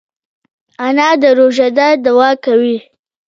انا د روژهدار دعا کوي